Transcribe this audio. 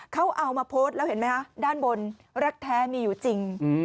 เขาเอามาโพสต์แล้วเห็นไหมคะด้านบนรักแท้มีอยู่จริง